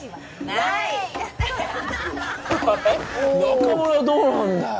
中村はどうなんだよ？